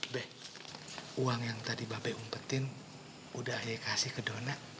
be uang yang tadi babe umpetin udah ayah kasih ke dona